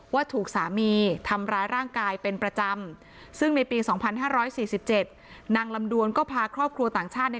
ว่าถูกสามีทำร้ายร่างกายเป็นประจำซึ่งในปี๒๕๔๗นางลำดวนก็พาครอบครัวต่างชาติเนี่ย